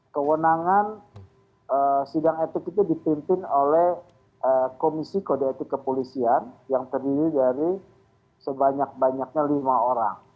kewenangan sidang etik itu dipimpin oleh komisi kode etik kepolisian yang terdiri dari sebanyak banyaknya lima orang